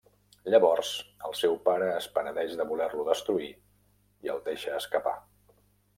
Llavors, el seu pare es penedeix de voler-lo destruir, i el deixa escapar.